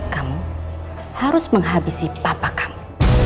kamu harus menghabisi papa kamu